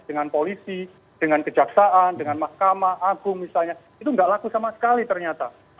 dengan polisi dengan kejaksaan dengan mahkamah agung misalnya itu nggak laku sama sekali ternyata